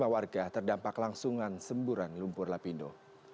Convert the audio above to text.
empat puluh lima warga terdampak langsungan semburan lumpur lapindo